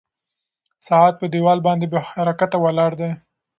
ساعت په دیوال باندې بې حرکته ولاړ دی.